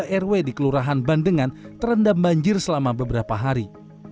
yang terlihat di rw di kelurahan bandengan terendam banjir selama beberapa hari